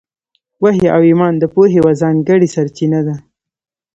وحي او ایمان د پوهې یوه ځانګړې سرچینه ده.